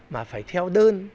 mà phải theo đơn